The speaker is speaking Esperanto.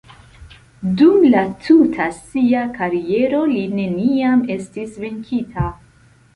Dum la tuta sia kariero li neniam estis venkita.